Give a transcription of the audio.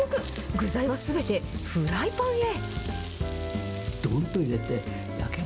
具材はすべてフライパンへ。